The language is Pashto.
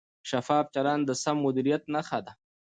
شفاف چلند د سم مدیریت نښه ده.